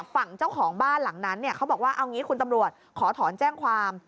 ฝั่งเจ้าของบ้านหลังนั้นเขาบอกว่าเอางี้คุณตำรวจขอถอนแจ้งความ